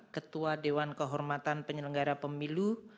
ketua dewan kehormatan penyelenggara pemilu